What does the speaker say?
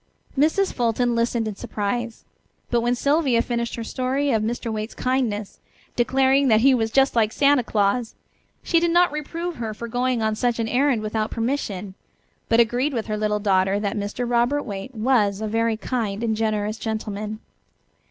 Mrs. Fulton listened in surprise. But when Sylvia finished her story of Mr. Waite's kindness, declaring that he was just like Santa Claus, she did not reprove her for going on such an errand without permission, but agreed with her little daughter that Mr. Robert Waite was a very kind and generous gentleman.